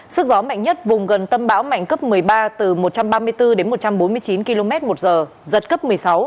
sức gió mạnh nhất vùng gần tâm bão mạnh cấp một mươi ba từ một trăm ba mươi bốn đến một trăm bốn mươi chín km một giờ giật cấp một mươi sáu